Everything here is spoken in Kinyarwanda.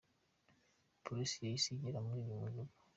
Polisi yahise igera muri uru rugo.